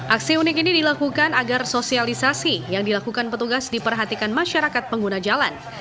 aksi unik ini dilakukan agar sosialisasi yang dilakukan petugas diperhatikan masyarakat pengguna jalan